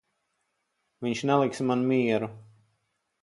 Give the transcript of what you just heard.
Viņš neliks man mieru.